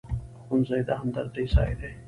ښوونځی د همدرۍ ځای دی